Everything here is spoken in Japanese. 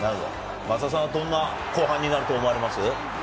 松田さんはどんな後半になると思いますか？